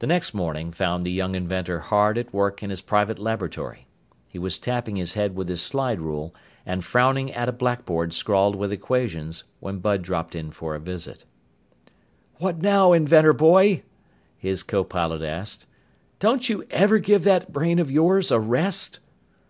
The next morning found the young inventor hard at work in his private laboratory. He was tapping his head with his slide rule and frowning at a blackboard scrawled with equations when Bud dropped in for a visit. "What now, inventor boy?" his copilot asked. "Don't you ever give that brain of yours a rest?"